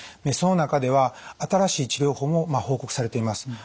その中では新しい治療法も報告されています。